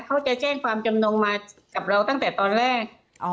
เขาจะแจ้งความจำนงมากับเราตั้งแต่ตอนแรก